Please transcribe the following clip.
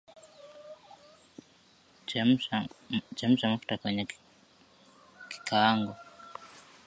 Chemsha mafuta kwenye kikaango